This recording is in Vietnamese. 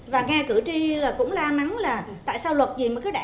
và nghe cử tri cũng la mắng là tại sao luật gì mà cứ đẻ